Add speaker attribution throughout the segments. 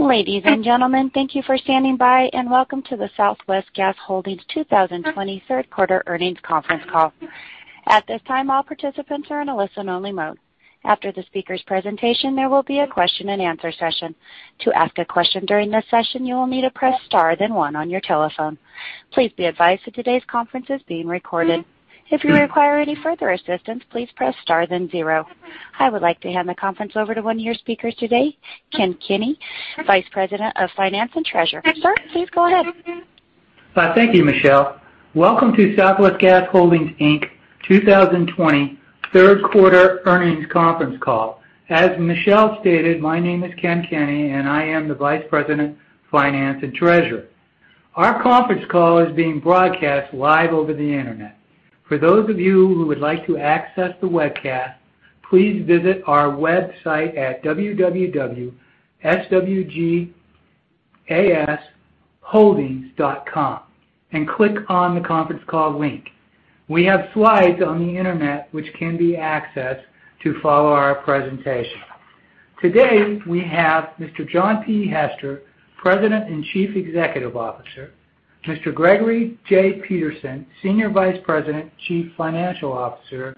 Speaker 1: Ladies and gentlemen, thank you for standing by and welcome to the Southwest Gas Holdings 2020 third quarter earnings conference call. At this time, all participants are in a listen-only mode. After the speaker's presentation, there will be a question-and-answer session. To ask a question during this session, you will need to press star then one on your telephone. Please be advised that today's conference is being recorded. If you require any further assistance, please press star then zero. I would like to hand the conference over to one of your speakers today, Ken Kenny, Vice President of Finance and Treasury. Sir, please go ahead.
Speaker 2: Thank you, Michelle. Welcome to Southwest Gas Holdings 2020 third quarter earnings conference call. As Michelle stated, my name is Ken Kenny, and I am the Vice President of Finance and Treasury. Our conference call is being broadcast live over the internet. For those of you who would like to access the webcast, please visit our website at www.swgasholdings.com and click on the conference call link. We have slides on the internet which can be accessed to follow our presentation. Today, we have Mr. John P. Hester, President and Chief Executive Officer; Mr. Gregory J. Peterson, Senior Vice President, Chief Financial Officer;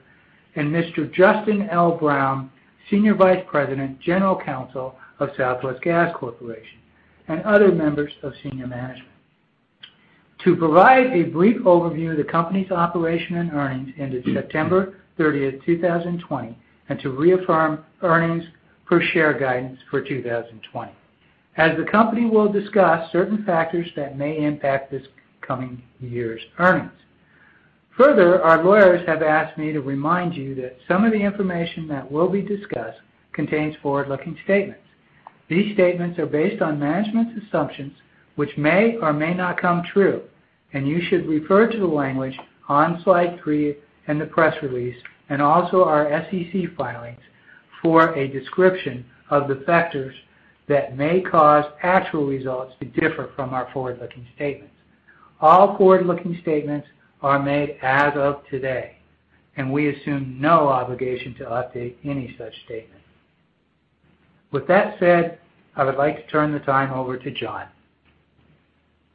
Speaker 2: and Mr. Justin L. Brown, Senior Vice President, General Counsel of Southwest Gas Corporation and other members of senior management. To provide a brief overview of the company's operation and earnings ended September 30th, 2020, and to reaffirm earnings per share guidance for 2020, as the company will discuss certain factors that may impact this coming year's earnings. Further, our lawyers have asked me to remind you that some of the information that will be discussed contains forward-looking statements. These statements are based on management's assumptions, which may or may not come true, and you should refer to the language on slide three in the press release and also our SEC filings for a description of the factors that may cause actual results to differ from our forward-looking statements. All forward-looking statements are made as of today, and we assume no obligation to update any such statement. With that said, I would like to turn the time over to John.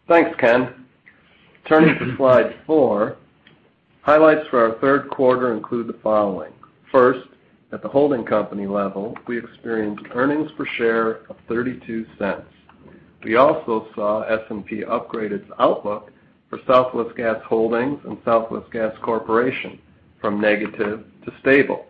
Speaker 3: Thanks, Ken. Turning to slide four, highlights for our third quarter include the following. First, at the holding company level, we experienced earnings per share of $0.32. We also saw S&P upgrade its outlook for Southwest Gas Holdings and Southwest Gas Corporation from negative to stable.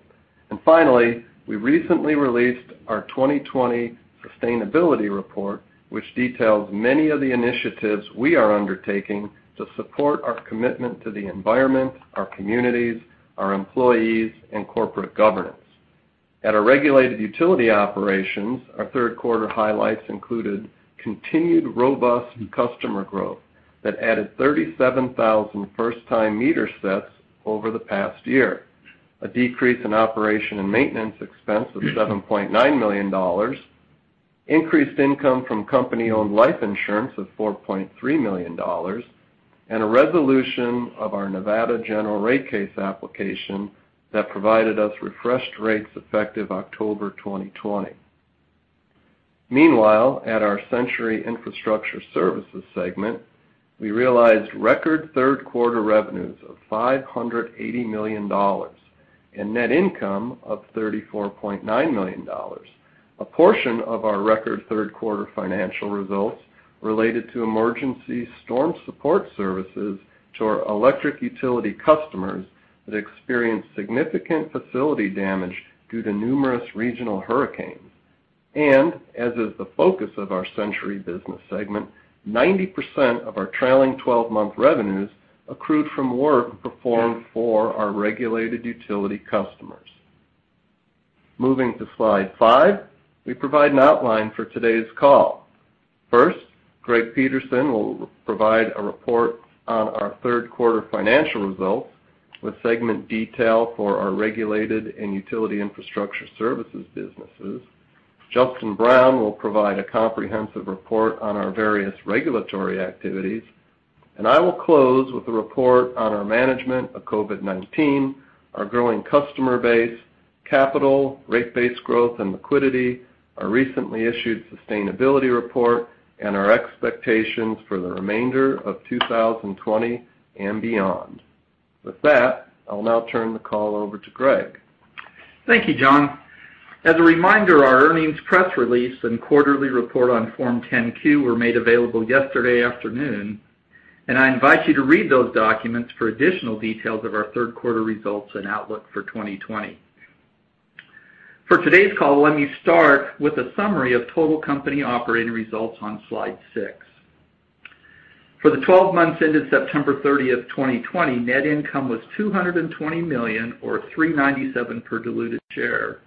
Speaker 3: Finally, we recently released our 2020 sustainability report, which details many of the initiatives we are undertaking to support our commitment to the environment, our communities, our employees, and corporate governance. At our regulated utility operations, our third quarter highlights included continued robust customer growth that added 37,000 first-time meter sets over the past year, a decrease in operation and maintenance expense of $7.9 million, increased income from company-owned life insurance of $4.3 million, and a resolution of our Nevada general rate case application that provided us refreshed rates effective October 2020. Meanwhile, at our Centuri Infrastructure Services segment, we realized record third quarter revenues of $580 million and net income of $34.9 million, a portion of our record third quarter financial results related to emergency storm support services to our electric utility customers that experienced significant facility damage due to numerous regional hurricanes. As is the focus of our Centuri Business segment, 90% of our trailing 12-month revenues accrued from work performed for our regulated utility customers. Moving to slide five, we provide an outline for today's call. First, Greg Peterson will provide a report on our third quarter financial results with segment detail for our regulated and utility infrastructure services businesses. Justin Brown will provide a comprehensive report on our various regulatory activities. I will close with a report on our management of COVID-19, our growing customer base, capital, rate-based growth and liquidity, our recently issued sustainability report, and our expectations for the remainder of 2020 and beyond. With that, I'll now turn the call over to Greg.
Speaker 4: Thank you, John. As a reminder, our earnings press release and quarterly report on Form 10-Q were made available yesterday afternoon, and I invite you to read those documents for additional details of our third quarter results and outlook for 2020. For today's call, let me start with a summary of total company operating results on slide six. For the 12 months ended September 30th, 2020, net income was $220 million or $3.97 per diluted share,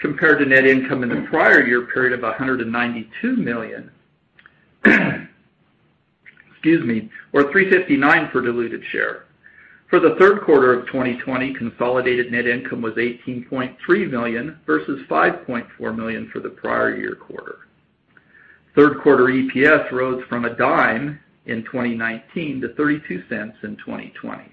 Speaker 4: compared to net income in the prior year period of $192 million or $3.59 per diluted share. For the third quarter of 2020, consolidated net income was $18.3 million versus $5.4 million for the prior year quarter. Third quarter EPS rose from a dime in 2019 to $0.32 in 2020.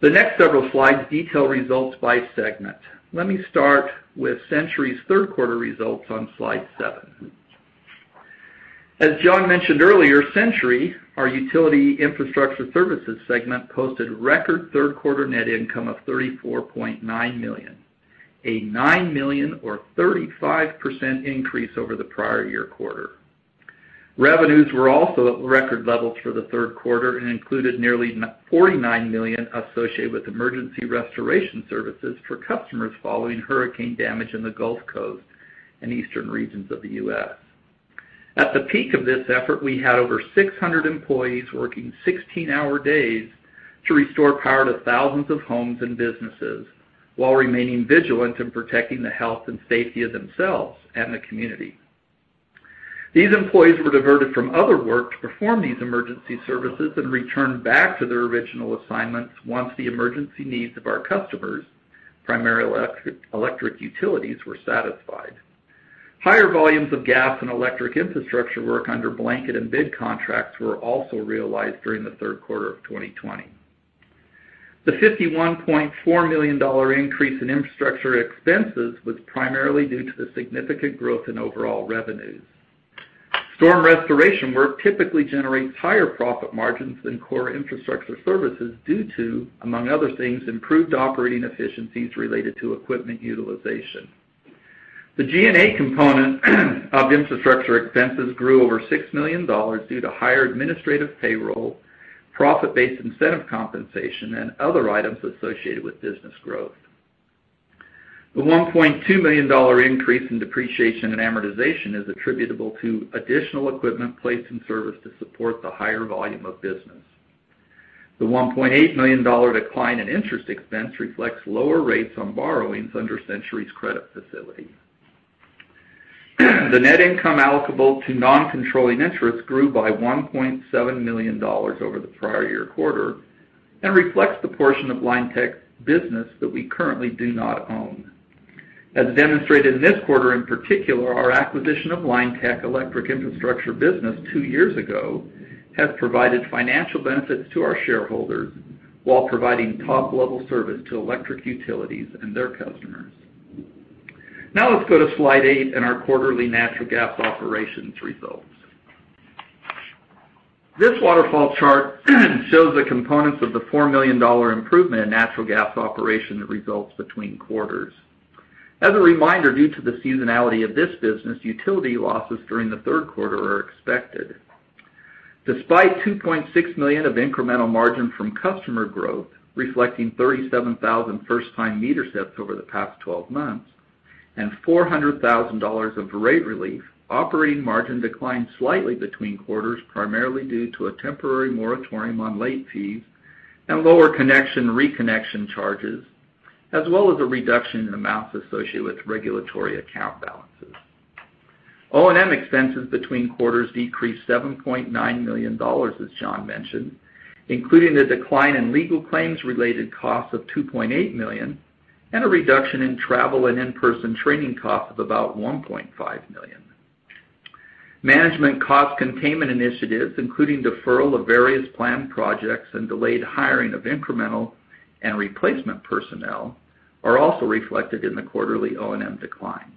Speaker 4: The next several slides detail results by segment. Let me start with Centuri's third quarter results on slide seven. As John mentioned earlier, Centuri, our utility infrastructure services segment, posted record third quarter net income of $34.9 million, a $9 million or 35% increase over the prior year quarter. Revenues were also at record levels for the third quarter and included nearly $49 million associated with emergency restoration services for customers following hurricane damage in the Gulf Coast and eastern regions of the U.S. At the peak of this effort, we had over 600 employees working 16-hour days to restore power to thousands of homes and businesses while remaining vigilant in protecting the health and safety of themselves and the community. These employees were diverted from other work to perform these emergency services and returned back to their original assignments once the emergency needs of our customers, primarily electric utilities, were satisfied. Higher volumes of gas and electric infrastructure work under blanket and bid contracts were also realized during the third quarter of 2020. The $51.4 million increase in infrastructure expenses was primarily due to the significant growth in overall revenues. Storm restoration work typically generates higher profit margins than core infrastructure services due to, among other things, improved operating efficiencies related to equipment utilization. The G&A component of infrastructure expenses grew over $6 million due to higher administrative payroll, profit-based incentive compensation, and other items associated with business growth. The $1.2 million increase in depreciation and amortization is attributable to additional equipment placed in service to support the higher volume of business. The $1.8 million decline in interest expense reflects lower rates on borrowings under Centuri's credit facility. The net income allocable to non-controlling interest grew by $1.7 million over the prior year quarter and reflects the portion of Linetec business that we currently do not own. As demonstrated in this quarter, in particular, our acquisition of Linetec Electric Infrastructure Business two years ago has provided financial benefits to our shareholders while providing top-level service to electric utilities and their customers. Now let's go to slide eight and our quarterly natural gas operations results. This waterfall chart shows the components of the $4 million improvement in natural gas operation results between quarters. As a reminder, due to the seasonality of this business, utility losses during the third quarter are expected. Despite $2.6 million of incremental margin from customer growth, reflecting 37,000 first-time meter sets over the past 12 months and $400,000 of rate relief, operating margin declined slightly between quarters, primarily due to a temporary moratorium on late fees and lower connection reconnection charges, as well as a reduction in amounts associated with regulatory account balances. O&M expenses between quarters decreased $7.9 million, as John mentioned, including a decline in legal claims-related costs of $2.8 million and a reduction in travel and in-person training costs of about $1.5 million. Management cost containment initiatives, including deferral of various planned projects and delayed hiring of incremental and replacement personnel, are also reflected in the quarterly O&M decline.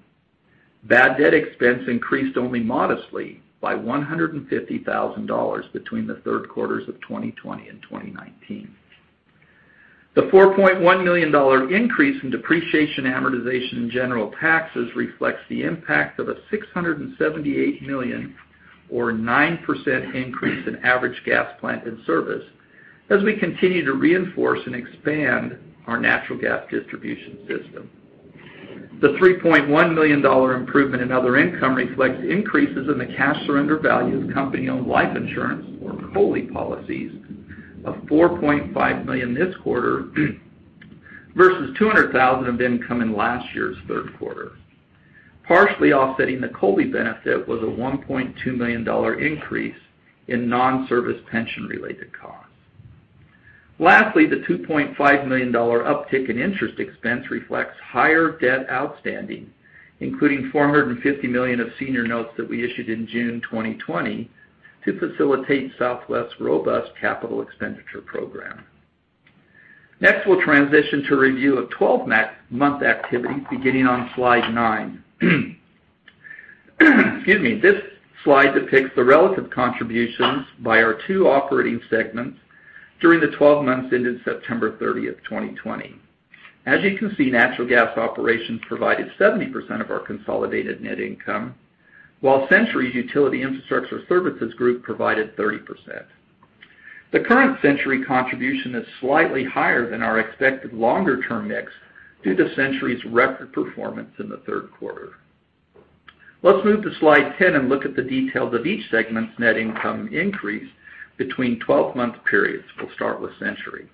Speaker 4: Bad debt expense increased only modestly by $150,000 between the third quarters of 2020 and 2019. The $4.1 million increase in depreciation amortization and general taxes reflects the impact of a $678 million or 9% increase in average gas plant in service as we continue to reinforce and expand our natural gas distribution system. The $3.1 million improvement in other income reflects increases in the cash surrender value of company-owned life insurance or COLI policies of $4.5 million this quarter versus $200,000 of income in last year's third quarter. Partially offsetting the COLI benefit was a $1.2 million increase in non-service pension-related costs. Lastly, the $2.5 million uptick in interest expense reflects higher debt outstanding, including $450 million of senior notes that we issued in June 2020 to facilitate Southwest's robust capital expenditure program. Next, we'll transition to review of 12-month activity beginning on slide nine. Excuse me. This slide depicts the relative contributions by our two operating segments during the 12 months ended September 30th, 2020. As you can see, natural gas operations provided 70% of our consolidated net income, while Centuri's utility infrastructure services group provided 30%. The current Centuri contribution is slightly higher than our expected longer-term mix due to Centuri's record performance in the third quarter. Let's move to slide 10 and look at the details of each segment's net income increase between 12-month periods. We'll start with Centuri.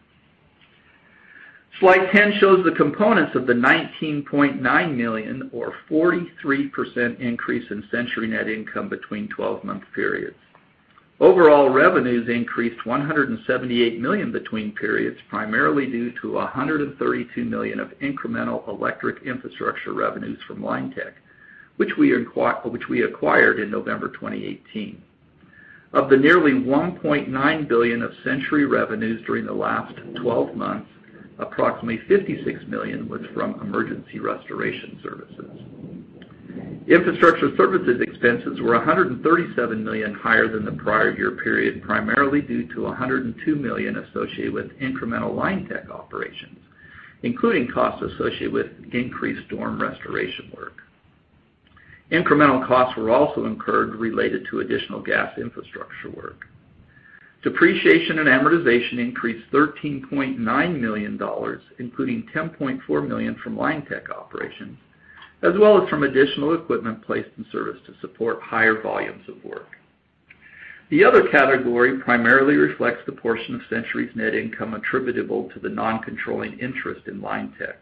Speaker 4: Slide 10 shows the components of the $19.9 million or 43% increase in Centuri net income between 12-month periods. Overall revenues increased $178 million between periods, primarily due to $132 million of incremental electric infrastructure revenues from Linetec, which we acquired in November 2018. Of the nearly $1.9 billion of Centuri revenues during the last 12 months, approximately $56 million was from emergency restoration services. Infrastructure services expenses were $137 million higher than the prior year period, primarily due to $102 million associated with incremental Linetec operations, including costs associated with increased storm restoration work. Incremental costs were also incurred related to additional gas infrastructure work. Depreciation and amortization increased $13.9 million, including $10.4 million from Linetec operations, as well as from additional equipment placed in service to support higher volumes of work. The other category primarily reflects the portion of Centuri's net income attributable to the non-controlling interest in Linetec.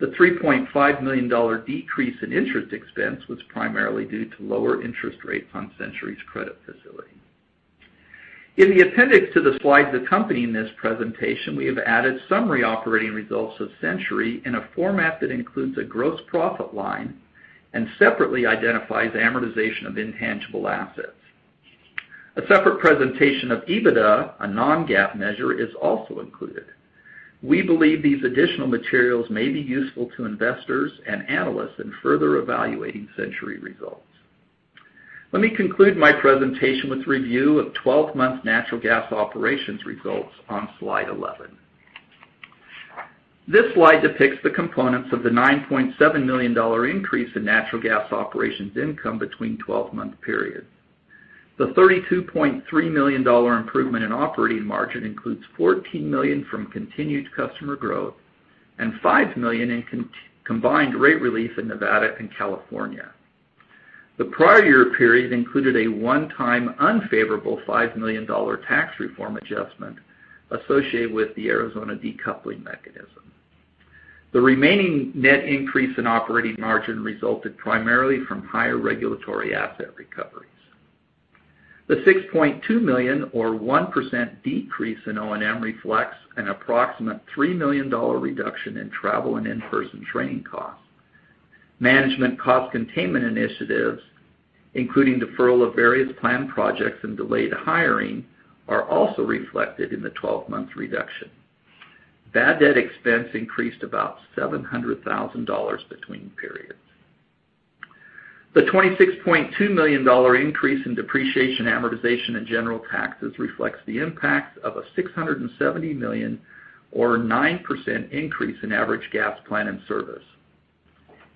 Speaker 4: The $3.5 million decrease in interest expense was primarily due to lower interest rates on Centuri's credit facility. In the appendix to the slides accompanying this presentation, we have added summary operating results of Centuri in a format that includes a gross profit line and separately identifies amortization of intangible assets. A separate presentation of EBITDA, a non-GAAP measure, is also included. We believe these additional materials may be useful to investors and analysts in further evaluating Centuri results. Let me conclude my presentation with review of 12-month natural gas operations results on slide 11. This slide depicts the components of the $9.7 million increase in natural gas operations income between 12-month periods. The $32.3 million improvement in operating margin includes $14 million from continued customer growth and $5 million in combined rate relief in Nevada and California. The prior year period included a one-time unfavorable $5 million tax reform adjustment associated with the Arizona decoupling mechanism. The remaining net increase in operating margin resulted primarily from higher regulatory asset recoveries. The $6.2 million or 1% decrease in O&M reflects an approximate $3 million reduction in travel and in-person training costs. Management cost containment initiatives, including deferral of various planned projects and delayed hiring, are also reflected in the 12-month reduction. Bad debt expense increased about $700,000 between periods. The $26.2 million increase in depreciation, amortization, and general taxes reflects the impacts of a $670 million or 9% increase in average gas plant in service.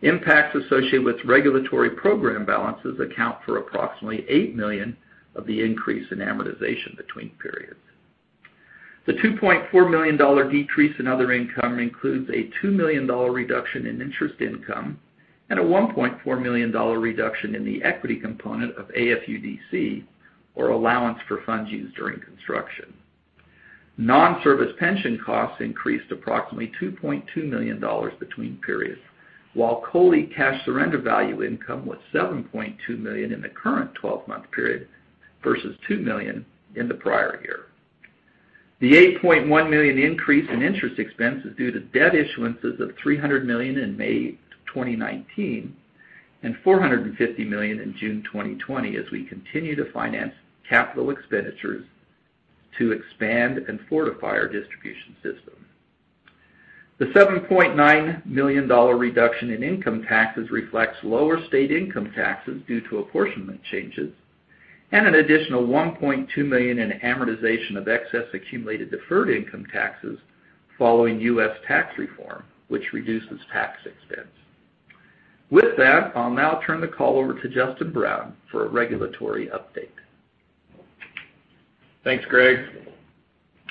Speaker 4: Impacts associated with regulatory program balances account for approximately $8 million of the increase in amortization between periods. The $2.4 million decrease in other income includes a $2 million reduction in interest income and a $1.4 million reduction in the equity component of AFUDC or Allowance for Funds Used During Construction. Non-service pension costs increased approximately $2.2 million between periods, while COLI cash surrender value income was $7.2 million in the current 12-month period versus $2 million in the prior year. The $8.1 million increase in interest expense is due to debt issuances of $300 million in May 2019 and $450 million in June 2020, as we continue to finance capital expenditures to expand and fortify our distribution system. The $7.9 million reduction in income taxes reflects lower state income taxes due to apportionment changes and an additional $1.2 million in amortization of excess accumulated deferred income taxes following US tax reform, which reduces tax expense. With that, I'll now turn the call over to Justin Brown for a regulatory update.
Speaker 5: Thanks, Greg.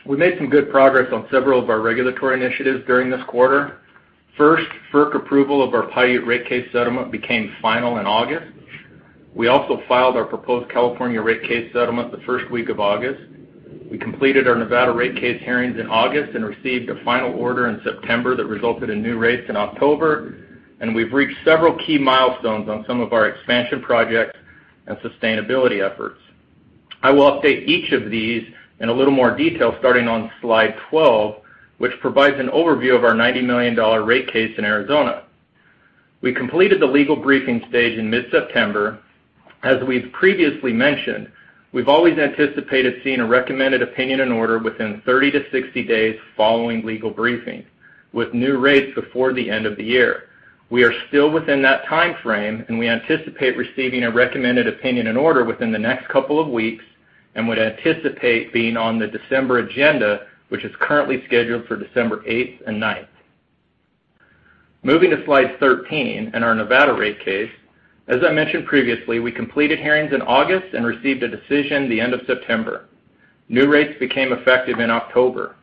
Speaker 5: We made some good progress on several of our regulatory initiatives during this quarter. First, FERC approval of our Paiute rate case settlement became final in August. We also filed our proposed California rate case settlement the first week of August. We completed our Nevada rate case hearings in August and received a final order in September that resulted in new rates in October. We have reached several key milestones on some of our expansion projects and sustainability efforts. I will update each of these in a little more detail starting on slide 12, which provides an overview of our $90 million rate case in Arizona. We completed the legal briefing stage in mid-September. As we have previously mentioned, we have always anticipated seeing a recommended opinion in order within 30-60 days following legal briefing, with new rates before the end of the year. We are still within that timeframe, and we anticipate receiving a recommended opinion in order within the next couple of weeks and would anticipate being on the December agenda, which is currently scheduled for December 8th and 9th. Moving to slide 13 and our Nevada rate case. As I mentioned previously, we completed hearings in August and received a decision the end of September. New rates became effective in October.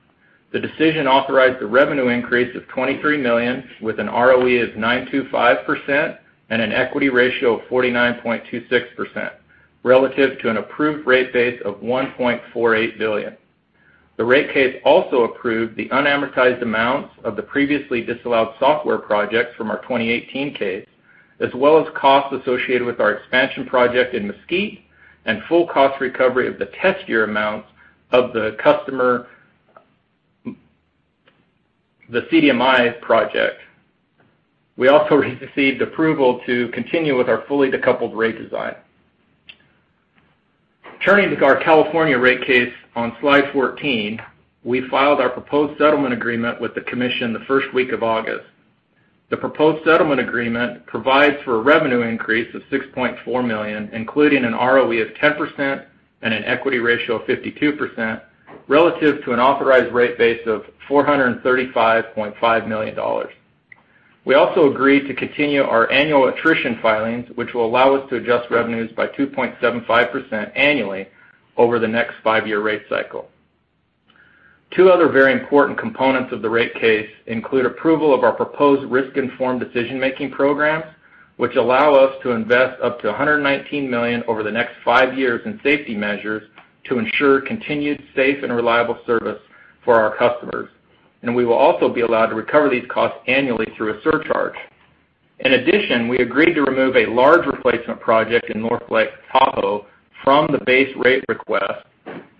Speaker 5: The decision authorized the revenue increase of $23 million with an ROE of 9.25% and an equity ratio of 49.26% relative to an approved rate base of $1.48 billion. The rate case also approved the unamortized amounts of the previously disallowed software projects from our 2018 case, as well as costs associated with our expansion project in Mesquite and full cost recovery of the test year amounts of the CDMI project. We also received approval to continue with our fully decoupled rate design. Turning to our California rate case on slide 14, we filed our proposed settlement agreement with the commission the first week of August. The proposed settlement agreement provides for a revenue increase of $6.4 million, including an ROE of 10% and an equity ratio of 52% relative to an authorized rate base of $435.5 million. We also agreed to continue our annual attrition filings, which will allow us to adjust revenues by 2.75% annually over the next five-year rate cycle. Two other very important components of the rate case include approval of our proposed risk-informed decision-making programs, which allow us to invest up to $119 million over the next five years in safety measures to ensure continued safe and reliable service for our customers. We will also be allowed to recover these costs annually through a surcharge. In addition, we agreed to remove a large replacement project in North Lake Tahoe from the base rate request.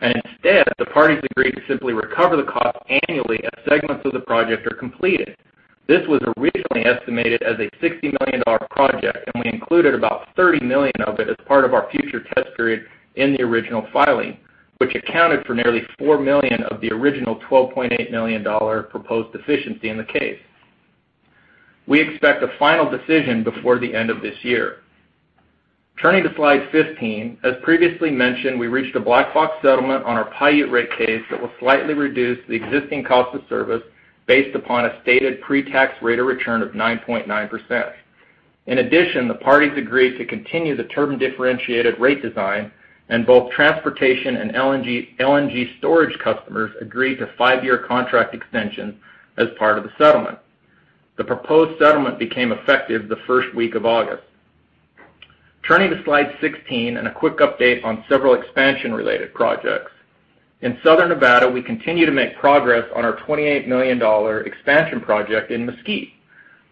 Speaker 5: Instead, the parties agreed to simply recover the costs annually as segments of the project are completed. This was originally estimated as a $60 million project, and we included about $30 million of it as part of our future test period in the original filing, which accounted for nearly $4 million of the original $12.8 million proposed deficiency in the case. We expect a final decision before the end of this year. Turning to slide 15, as previously mentioned, we reached a black box settlement on our Paiute rate case that will slightly reduce the existing cost of service based upon a stated pre-tax rate of return of 9.9%. In addition, the parties agreed to continue the turbine differentiated rate design, and both transportation and LNG storage customers agreed to five-year contract extensions as part of the settlement. The proposed settlement became effective the first week of August. Turning to slide 16 and a quick update on several expansion-related projects. In Southern Nevada, we continue to make progress on our $28 million expansion project in Mesquite.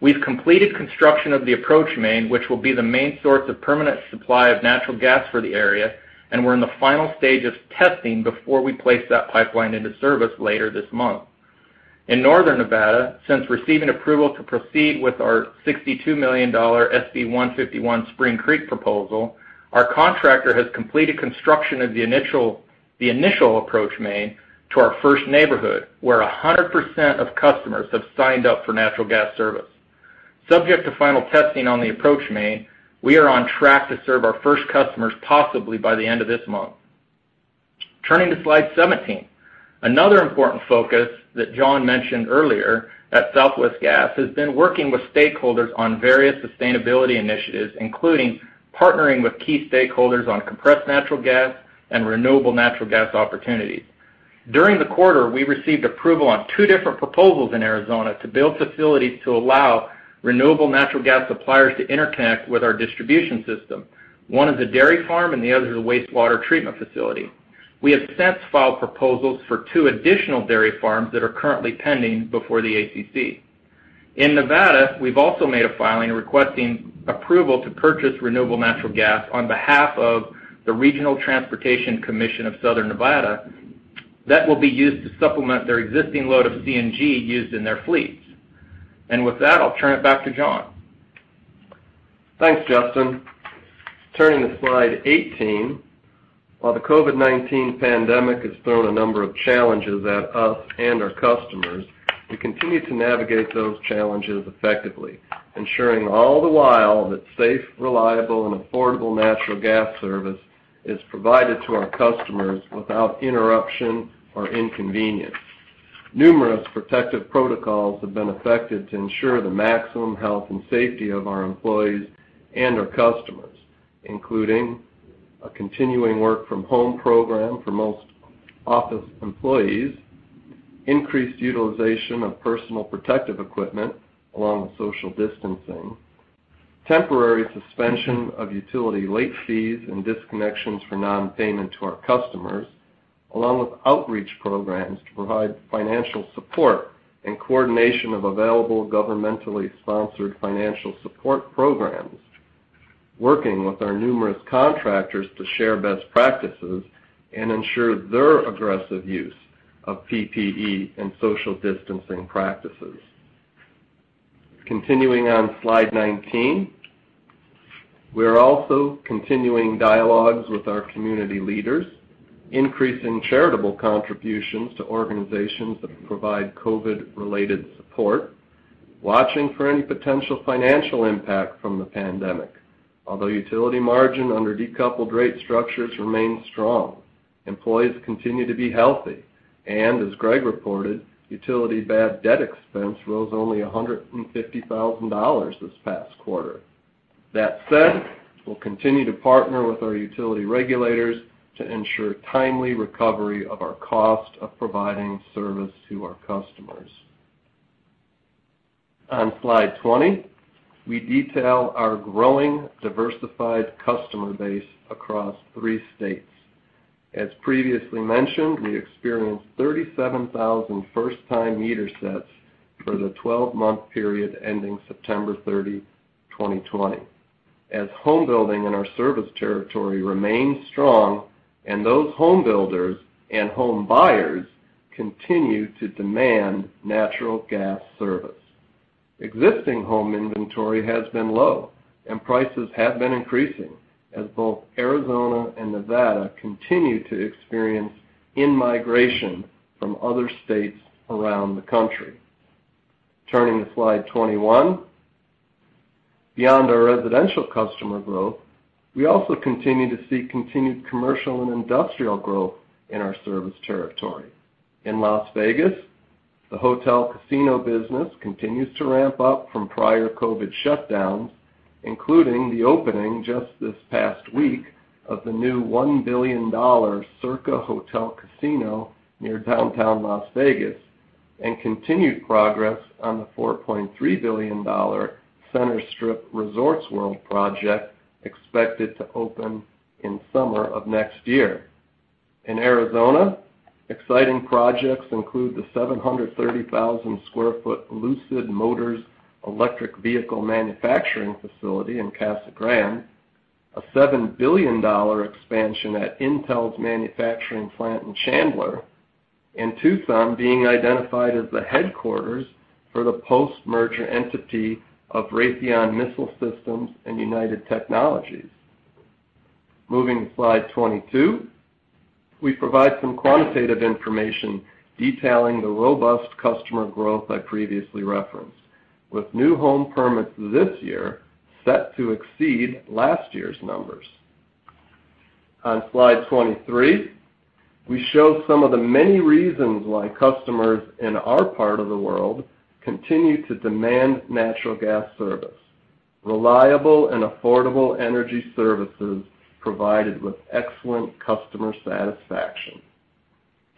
Speaker 5: We've completed construction of the approach main, which will be the main source of permanent supply of natural gas for the area, and we're in the final stage of testing before we place that pipeline into service later this month. In Northern Nevada, since receiving approval to proceed with our $62 million SB 151 Spring Creek proposal, our contractor has completed construction of the initial approach main to our first neighborhood, where 100% of customers have signed up for natural gas service. Subject to final testing on the approach main, we are on track to serve our first customers possibly by the end of this month. Turning to slide 17, another important focus that John mentioned earlier at Southwest Gas has been working with stakeholders on various sustainability initiatives, including partnering with key stakeholders on compressed natural gas and renewable natural gas opportunities. During the quarter, we received approval on two different proposals in Arizona to build facilities to allow renewable natural gas suppliers to interconnect with our distribution system. One is a dairy farm, and the other is a wastewater treatment facility. We have since filed proposals for two additional dairy farms that are currently pending before the ACC. In Nevada, we've also made a filing requesting approval to purchase renewable natural gas on behalf of the Regional Transportation Commission of Southern Nevada that will be used to supplement their existing load of CNG used in their fleets. With that, I'll turn it back to John. Thanks, Justin.
Speaker 3: Turning to slide 18, while the COVID-19 pandemic has thrown a number of challenges at us and our customers, we continue to navigate those challenges effectively, ensuring all the while that safe, reliable, and affordable natural gas service is provided to our customers without interruption or inconvenience. Numerous protective protocols have been effected to ensure the maximum health and safety of our employees and our customers, including a continuing work-from-home program for most office employees, increased utilization of personal protective equipment along with social distancing, temporary suspension of utility late fees and disconnections for non-payment to our customers, along with outreach programs to provide financial support and coordination of available governmentally sponsored financial support programs, working with our numerous contractors to share best practices and ensure their aggressive use of PPE and social distancing practices. Continuing on slide 19, we are also continuing dialogues with our community leaders, increasing charitable contributions to organizations that provide COVID-related support, watching for any potential financial impact from the pandemic. Although utility margin under decoupled rate structures remains strong, employees continue to be healthy. As Greg reported, utility bad debt expense rose only $150,000 this past quarter. That said, we'll continue to partner with our utility regulators to ensure timely recovery of our cost of providing service to our customers. On slide 20, we detail our growing diversified customer base across three states. As previously mentioned, we experienced 37,000 first-time meter sets for the 12-month period ending September 30, 2020, as homebuilding in our service territory remains strong and those homebuilders and home buyers continue to demand natural gas service. Existing home inventory has been low, and prices have been increasing as both Arizona and Nevada continue to experience in-migration from other states around the country. Turning to slide 21, beyond our residential customer growth, we also continue to see continued commercial and industrial growth in our service territory. In Las Vegas, the hotel casino business continues to ramp up from prior COVID shutdowns, including the opening just this past week of the new $1 billion Circa Hotel Casino near downtown Las Vegas and continued progress on the $4.3 billion Center Strip Resorts World project expected to open in summer of next year. In Arizona, exciting projects include the 730,000 sq ft Lucid Motors electric vehicle manufacturing facility in Casa Grande, a $7 billion expansion at Intel's manufacturing plant in Chandler, and Tucson being identified as the headquarters for the post-merger entity of Raytheon Missile Systems and United Technologies. Moving to slide 22, we provide some quantitative information detailing the robust customer growth I previously referenced, with new home permits this year set to exceed last year's numbers. On slide 23, we show some of the many reasons why customers in our part of the world continue to demand natural gas service: reliable and affordable energy services provided with excellent customer satisfaction.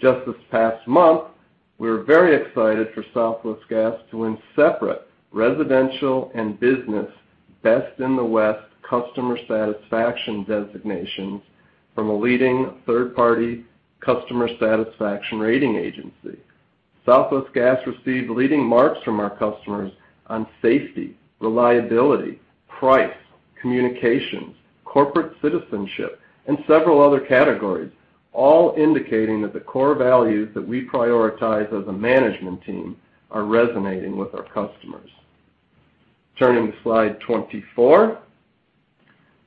Speaker 3: Just this past month, we were very excited for Southwest Gas to win separate residential and business best in the west customer satisfaction designations from a leading third-party customer satisfaction rating agency. Southwest Gas received leading marks from our customers on safety, reliability, price, communications, corporate citizenship, and several other categories, all indicating that the core values that we prioritize as a management team are resonating with our customers. Turning to slide 24,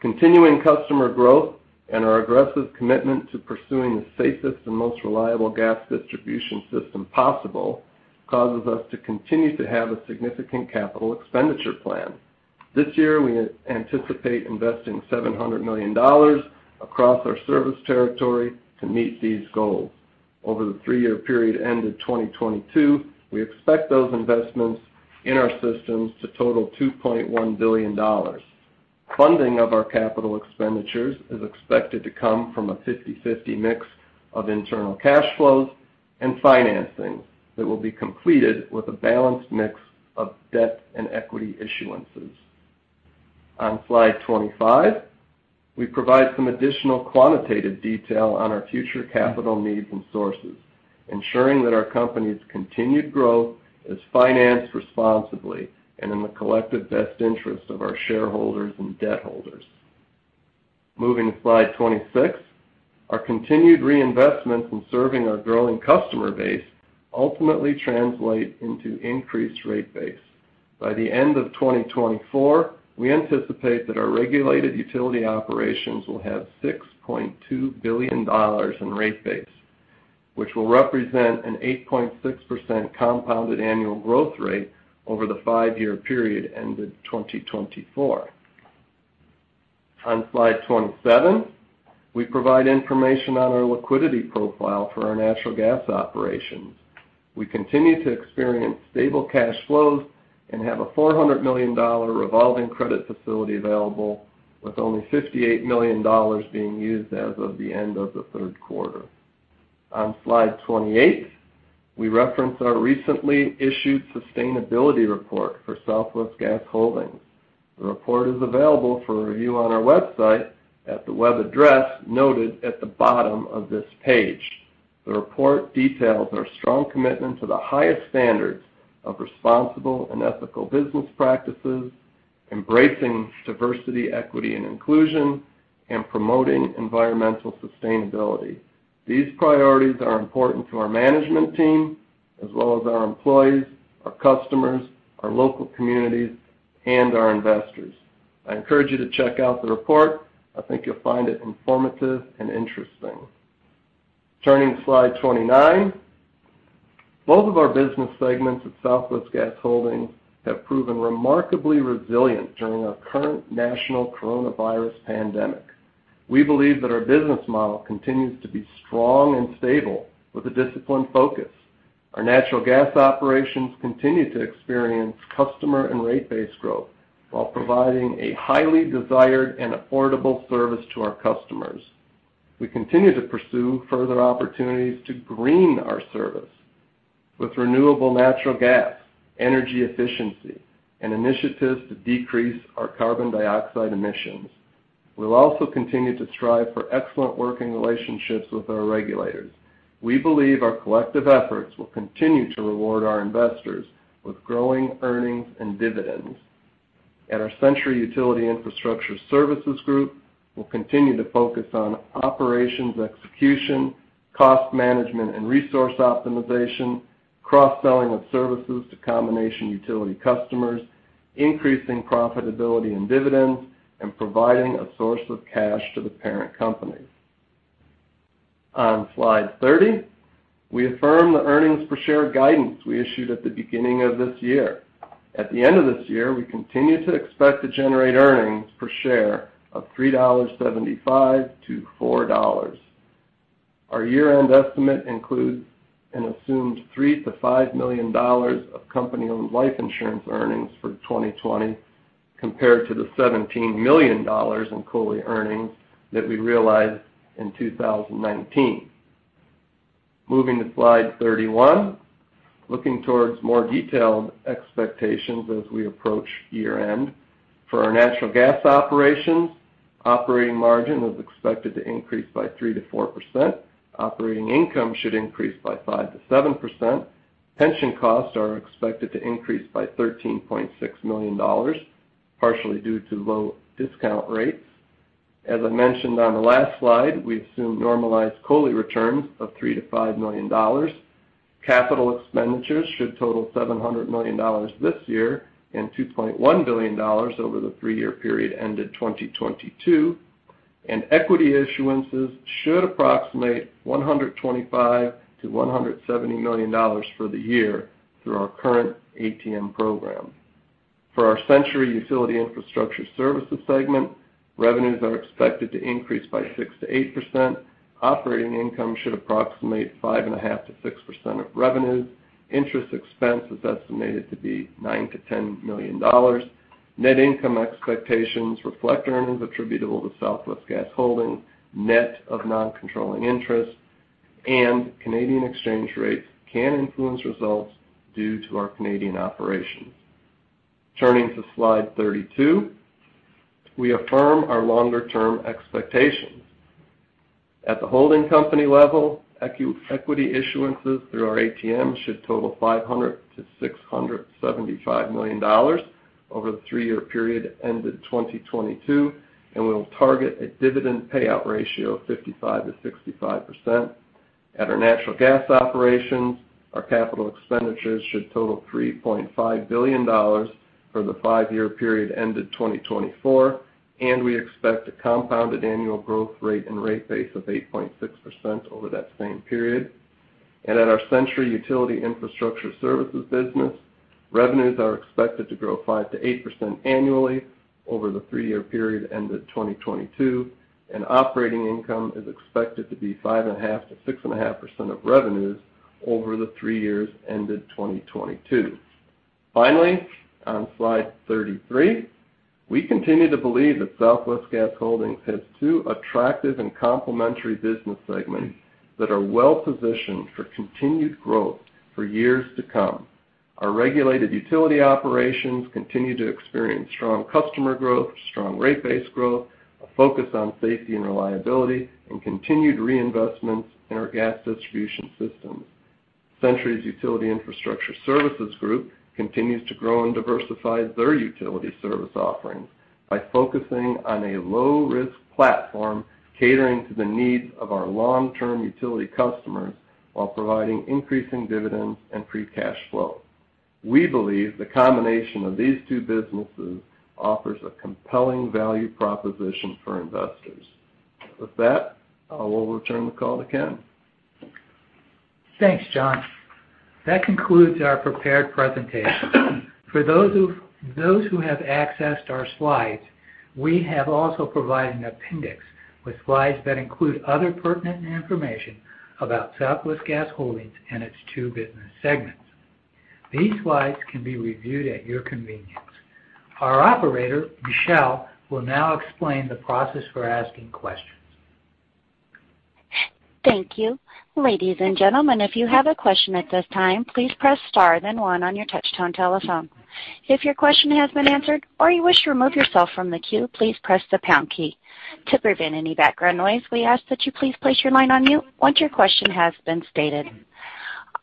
Speaker 3: continuing customer growth and our aggressive commitment to pursuing the safest and most reliable gas distribution system possible causes us to continue to have a significant capital expenditure plan. This year, we anticipate investing $700 million across our service territory to meet these goals. Over the three-year period ended 2022, we expect those investments in our systems to total $2.1 billion. Funding of our capital expenditures is expected to come from a 50/50 mix of internal cash flows and financing that will be completed with a balanced mix of debt and equity issuances. On slide 25, we provide some additional quantitative detail on our future capital needs and sources, ensuring that our company's continued growth is financed responsibly and in the collective best interest of our shareholders and debt holders. Moving to slide 26, our continued reinvestments in serving our growing customer base ultimately translate into increased rate base. By the end of 2024, we anticipate that our regulated utility operations will have $6.2 billion in rate base, which will represent an 8.6% compounded annual growth rate over the five-year period ended 2024. On slide 27, we provide information on our liquidity profile for our natural gas operations. We continue to experience stable cash flows and have a $400 million revolving credit facility available, with only $58 million being used as of the end of the third quarter. On slide 28, we reference our recently issued sustainability report for Southwest Gas Holdings. The report is available for review on our website at the web address noted at the bottom of this page. The report details our strong commitment to the highest standards of responsible and ethical business practices, embracing diversity, equity, and inclusion, and promoting environmental sustainability. These priorities are important to our management team, as well as our employees, our customers, our local communities, and our investors. I encourage you to check out the report. I think you'll find it informative and interesting. Turning to slide 29, both of our business segments at Southwest Gas Holdings have proven remarkably resilient during our current national coronavirus pandemic. We believe that our business model continues to be strong and stable with a disciplined focus. Our natural gas operations continue to experience customer and rate-based growth while providing a highly desired and affordable service to our customers. We continue to pursue further opportunities to green our service with renewable natural gas, energy efficiency, and initiatives to decrease our carbon dioxide emissions. We'll also continue to strive for excellent working relationships with our regulators. We believe our collective efforts will continue to reward our investors with growing earnings and dividends. At our Centuri Utility Infrastructure Services Group, we'll continue to focus on operations execution, cost management and resource optimization, cross-selling of services to combination utility customers, increasing profitability and dividends, and providing a source of cash to the parent company. On slide 30, we affirm the earnings per share guidance we issued at the beginning of this year. At the end of this year, we continue to expect to generate earnings per share of $3.75-$4. Our year-end estimate includes an assumed $3 million-$5 million of company-owned life insurance earnings for 2020 compared to the $17 million in COLI earnings that we realized in 2019. Moving to slide 31, looking towards more detailed expectations as we approach year-end. For our natural gas operations, operating margin is expected to increase by 3%-4%. Operating income should increase by 5%-7%. Pension costs are expected to increase by $13.6 million, partially due to low discount rates. As I mentioned on the last slide, we assume normalized COLI returns of $3 million-$5 million. Capital expenditures should total $700 million this year and $2.1 billion over the three-year period ended 2022. Equity issuances should approximate $125 million-$170 million for the year through our current ATM program. For our Centuri Utility Infrastructure Services segment, revenues are expected to increase by 6%-8%. Operating income should approximate 5.5%-6% of revenues. Interest expense is estimated to be $9 million-$10 million. Net income expectations reflect earnings attributable to Southwest Gas Holdings net of non-controlling interest, and Canadian exchange rates can influence results due to our Canadian operations. Turning to slide 32, we affirm our longer-term expectations. At the holding company level, equity issuances through our ATMs should total $500 million-$675 million over the three-year period ended 2022, and we'll target a dividend payout ratio of 55%-65%. At our natural gas operations, our capital expenditures should total $3.5 billion for the five-year period ended 2024, and we expect a compounded annual growth rate in rate base of 8.6% over that same period. At our Centuri Utility Infrastructure Services business, revenues are expected to grow 5%-8% annually over the three-year period ended 2022, and operating income is expected to be 5.5%-6.5% of revenues over the three years ended 2022. Finally, on slide 33, we continue to believe that Southwest Gas Holdings has two attractive and complementary business segments that are well-positioned for continued growth for years to come. Our regulated utility operations continue to experience strong customer growth, strong rate-based growth, a focus on safety and reliability, and continued reinvestments in our gas distribution systems. Centuri's Utility Infrastructure Services Group continues to grow and diversify their utility service offerings by focusing on a low-risk platform catering to the needs of our long-term utility customers while providing increasing dividends and free cash flow. We believe the combination of these two businesses offers a compelling value proposition for investors. With that, I will return the call to Ken.
Speaker 2: Thanks, John. That concludes our prepared presentation. For those who have accessed our slides, we have also provided an appendix with slides that include other pertinent information about Southwest Gas Holdings and its two business segments. These slides can be reviewed at your convenience. Our operator, Michelle, will now explain the process for asking questions. Thank you.
Speaker 1: Ladies and gentlemen, if you have a question at this time, please press star then one on your touch-tone telephone. If your question has been answered or you wish to remove yourself from the queue, please press the pound key. To prevent any background noise, we ask that you please place your line on mute once your question has been stated.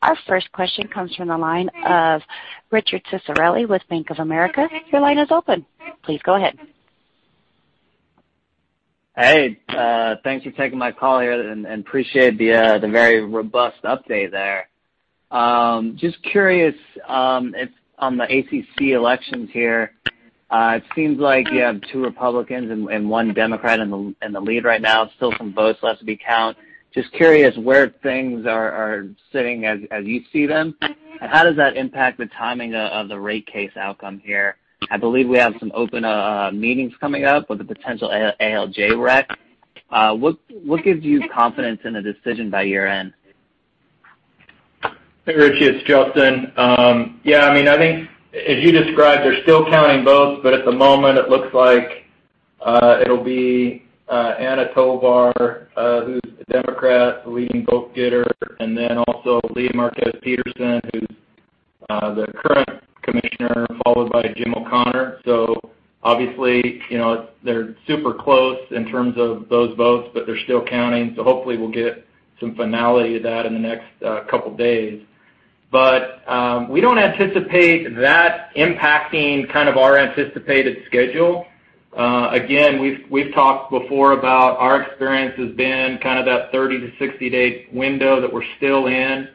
Speaker 1: Our first question comes from the line of Richard Ciciarelli with Bank of America. Your line is open. Please go ahead.
Speaker 6: Hey, thanks for taking my call here and appreciate the very robust update there. Just curious if on the ACC elections here, it seems like you have two Republicans and one Democrat in the lead right now. Still some votes left to be counted. Just curious where things are sitting as you see them, and how does that impact the timing of the rate case outcome here? I believe we have some open meetings coming up with a potential ALJ rec. What gives you confidence in the decision by year-end?
Speaker 5: Hey, Rich, it's Justin. Yeah, I mean, I think as you described, they're still counting votes, but at the moment, it looks like it'll be Anna Tovar, who's a Democrat, leading vote gainer, and then also Lea Marquez-Peterson, who's the current commissioner, followed by Jim O'Connor. Obviously, they're super close in terms of those votes, but they're still counting. Hopefully, we'll get some finality of that in the next couple of days. We don't anticipate that impacting kind of our anticipated schedule. Again, we've talked before about our experience has been kind of that 30-60 day window that we're still in.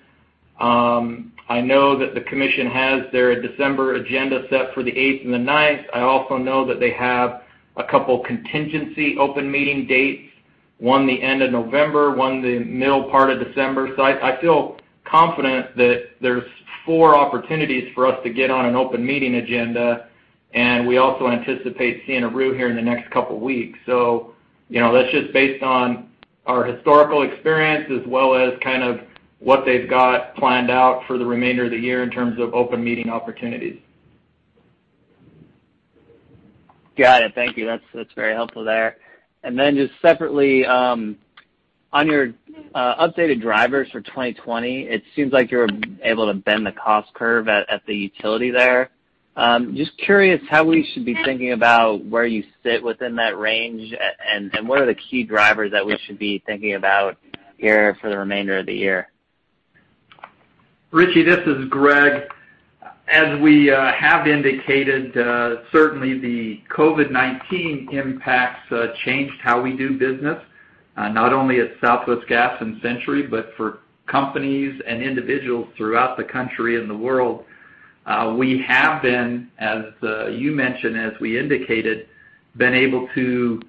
Speaker 5: I know that the commission has their December agenda set for the 8th and the 9th. I also know that they have a couple of contingency open meeting dates, one the end of November, one the middle part of December. I feel confident that there are four opportunities for us to get on an open meeting agenda, and we also anticipate seeing a rule here in the next couple of weeks. That is just based on our historical experience as well as kind of what they have got planned out for the remainder of the year in terms of open meeting opportunities.
Speaker 6: Got it. Thank you. That is very helpful there. Just separately, on your updated drivers for 2020, it seems like you are able to bend the cost curve at the utility there. Just curious how we should be thinking about where you sit within that range and what are the key drivers that we should be thinking about here for the remainder of the year.
Speaker 4: Richie, this is Greg. As we have indicated, certainly the COVID-19 impacts changed how we do business, not only at Southwest Gas and Centuri, but for companies and individuals throughout the country and the world. We have been, as you mentioned, as we indicated, been able to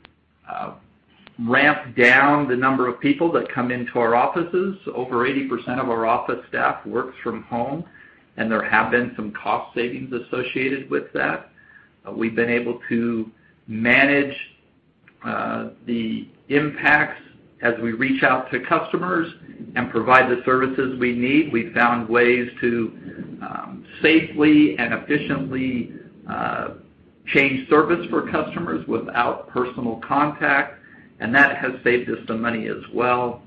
Speaker 4: ramp down the number of people that come into our offices. Over 80% of our office staff works from home, and there have been some cost savings associated with that. We've been able to manage the impacts as we reach out to customers and provide the services we need. We found ways to safely and efficiently change service for customers without personal contact, and that has saved us some money as well.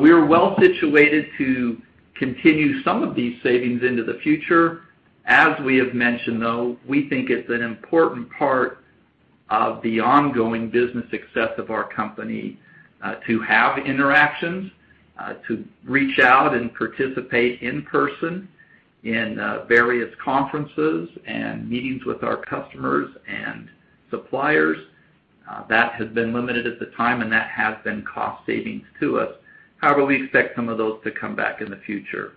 Speaker 4: We are well situated to continue some of these savings into the future. As we have mentioned, though, we think it's an important part of the ongoing business success of our company to have interactions, to reach out and participate in person in various conferences and meetings with our customers and suppliers. That has been limited at the time, and that has been cost savings to us. However, we expect some of those to come back in the future.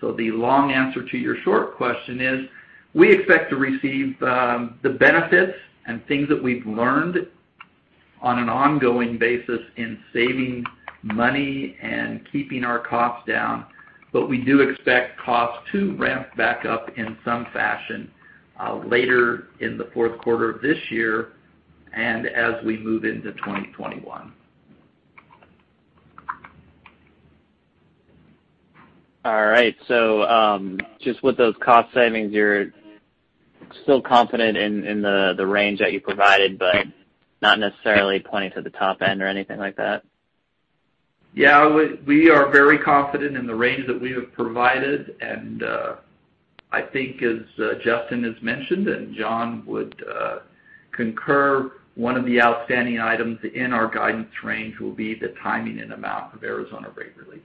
Speaker 4: The long answer to your short question is we expect to receive the benefits and things that we've learned on an ongoing basis in saving money and keeping our costs down, but we do expect costs to ramp back up in some fashion later in the fourth quarter of this year and as we move into 2021.
Speaker 6: All right. Just with those cost savings, you're still confident in the range that you provided, but not necessarily pointing to the top end or anything like that?
Speaker 4: Yeah, we are very confident in the range that we have provided, and I think, as Justin has mentioned and John would concur, one of the outstanding items in our guidance range will be the timing and amount of Arizona rate release.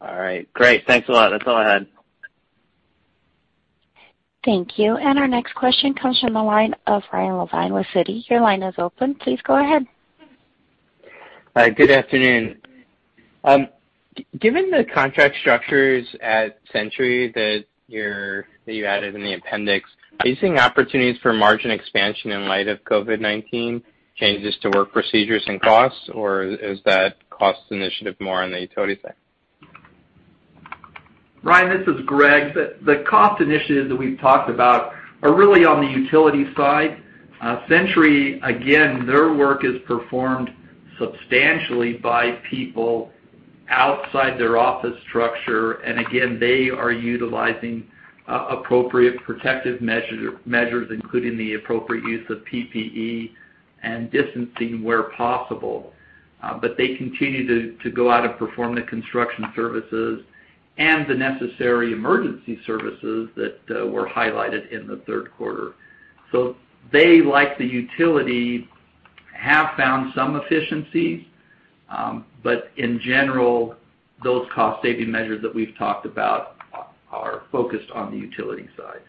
Speaker 6: All right. Great. Thanks a lot. That's all I had.
Speaker 1: Thank you. Our next question comes from the line of Ryan Levine with Citi. Your line is open. Please go ahead.
Speaker 7: Good afternoon. Given the contract structures at Centuri that you added in the appendix, are you seeing opportunities for margin expansion in light of COVID-19 changes to work procedures and costs, or is that cost initiative more on the utility side?
Speaker 4: Ryan, this is Greg. The cost initiatives that we've talked about are really on the utility side. Centuri, again, their work is performed substantially by people outside their office structure. They are utilizing appropriate protective measures, including the appropriate use of PPE and distancing where possible. They continue to go out and perform the construction services and the necessary emergency services that were highlighted in the third quarter. They, like the utility, have found some efficiencies, but in general, those cost-saving measures that we've talked about are focused on the utility side.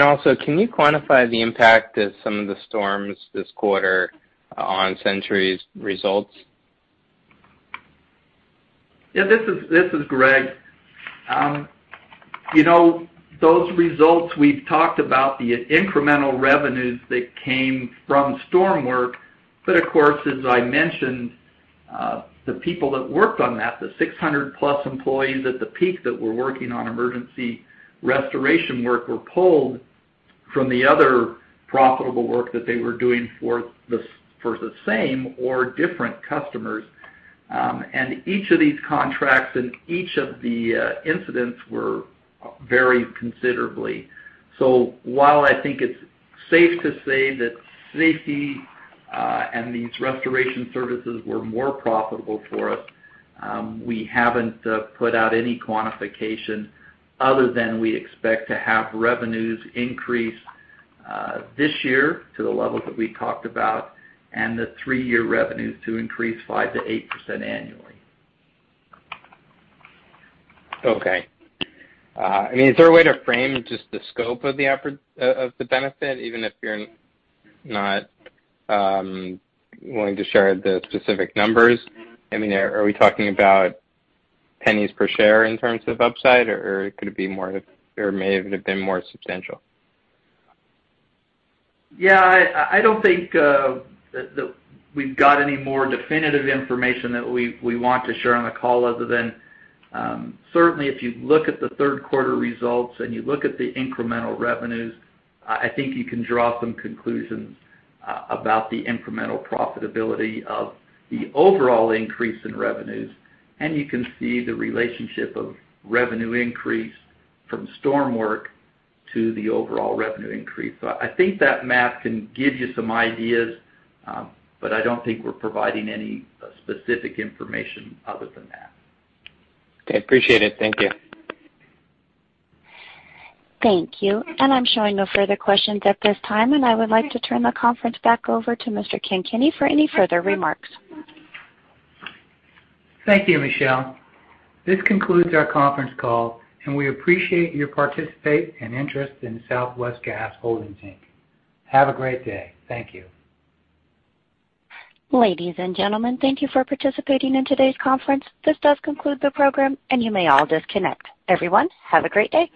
Speaker 7: Also, can you quantify the impact of some of the storms this quarter on Centuri's results?
Speaker 4: Yeah, this is Greg. Those results, we've talked about the incremental revenues that came from storm work. Of course, as I mentioned, the people that worked on that, the 600+ employees at the peak that were working on emergency restoration work were pulled from the other profitable work that they were doing for the same or different customers. Each of these contracts and each of the incidents were varied considerably. While I think it's safe to say that safety and these restoration services were more profitable for us, we haven't put out any quantification other than we expect to have revenues increase this year to the levels that we talked about and the three-year revenues to increase 5-8% annually.
Speaker 7: Okay. I mean, is there a way to frame just the scope of the benefit, even if you're not willing to share the specific numbers? I mean, are we talking about pennies per share in terms of upside, or could it be more or may have been more substantial?
Speaker 4: Yeah, I don't think that we've got any more definitive information that we want to share on the call other than certainly if you look at the third quarter results and you look at the incremental revenues, I think you can draw some conclusions about the incremental profitability of the overall increase in revenues, and you can see the relationship of revenue increase from storm work to the overall revenue increase. I think that map can give you some ideas, but I don't think we're providing any specific information other than that.
Speaker 7: Okay. Appreciate it. Thank you.
Speaker 1: Thank you. I'm showing no further questions at this time, and I would like to turn the conference back over to Mr. Ken Kenny for any further remarks.
Speaker 2: Thank you, Michelle. This concludes our conference call, and we appreciate your participation and interest in Southwest Gas Holdings. Have a great day. Thank you.
Speaker 1: Ladies and gentlemen, thank you for participating in today's conference. This does conclude the program, and you may all disconnect. Everyone, have a great day.